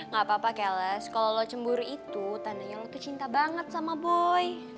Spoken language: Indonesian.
gak apa apa keles kalau lo cemburu itu tandanya lo tuh cinta banget sama boy